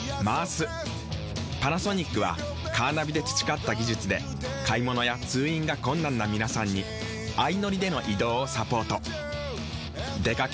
パナソニックはカーナビで培った技術で買物や通院が困難な皆さんに相乗りでの移動をサポート。